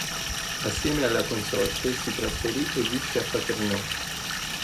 Assieme alla consorte si trasferì e visse a Paternò.